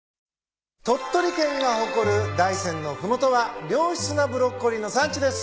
鳥取県が誇る大山の麓は良質なブロッコリーの産地です。